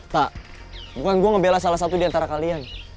tak bukan gue ngebelah salah satu diantara kalian